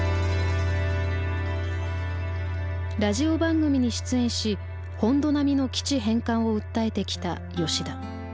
ラジオ番組に出演し「本土並みの基地返還」を訴えてきた吉田。